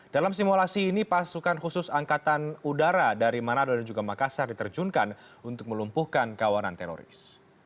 dalam simulasi ini pasukan khusus angkatan udara dari manado dan juga makassar diterjunkan untuk melumpuhkan kawanan teroris